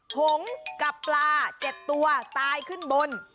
ผงกับปลา๗ตัวตายขึ้นบน